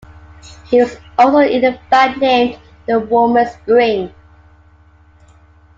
He was also in a band named "The Warmest Spring".